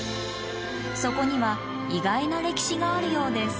そこには意外な歴史があるようです。